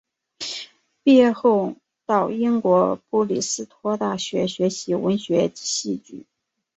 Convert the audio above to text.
毕业后到英国布里斯托大学学习文学及戏剧。